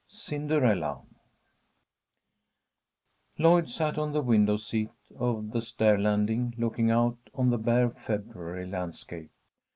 "CINDERELLA" LLOYD sat on the window seat of the stair landing, looking out on the bare February landscape.